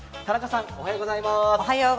田中さん、おはようございます。